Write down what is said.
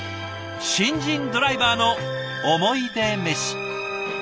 新人ドライバーの「おもいでメシ」。